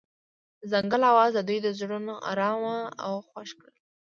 د ځنګل اواز د دوی زړونه ارامه او خوښ کړل.